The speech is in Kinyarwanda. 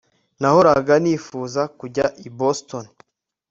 Nahoraga nifuza kujya i Boston